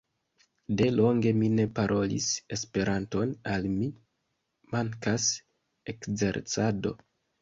De longe mi ne parolis Esperanton, al mi mankas ekzercado.